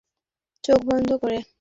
চোখ বন্ধ করে?